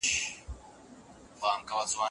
فريضه ادا کول عبادت دی.